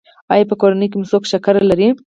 ایا په کورنۍ کې مو څوک شکر لري؟